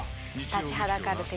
立ちはだかる敵